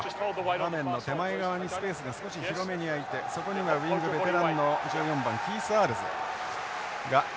画面の手前側にスペースが少し広めに空いてそこにはウイングベテランの１４番キースアールズがポジションをとっています。